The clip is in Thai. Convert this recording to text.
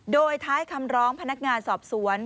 โดยท้ายคำร้องพนักงานสอบสวน